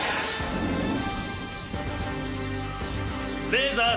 レーザー